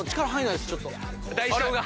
代償が。